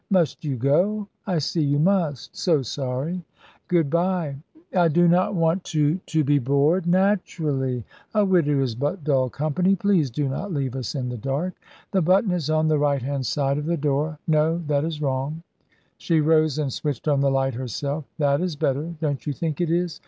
"Must you go? I see you must. So sorry. Good bye." "I do not want to " "To be bored. Naturally; a widow is but dull company. Please do not leave us in the dark. The button is on the right hand side of the door. No; that is wrong!" She rose and switched on the light herself. "That is better! Don't you think it is?